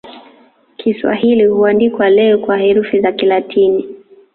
Kiswahili huandikwa leo kwa herufi za Kilatini.